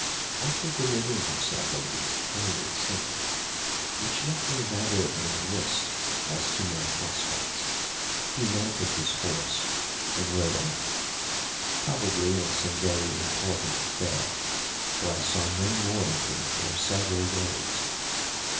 After delivering himself of these kindly sentiments, which left me rather in a mist as to my prospects, he mounted his horse and rode off, probably on some very important affair, for I saw no more of him for several days.